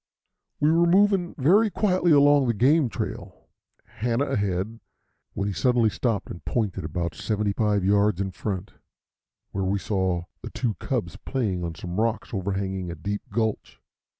We were moving very quietly along the game trail, Hanna ahead, when he suddenly stopped and pointed about seventy five yards in front, where we saw the two cubs playing on some rocks overhanging a deep gulch.